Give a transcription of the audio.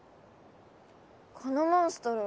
このモンストロ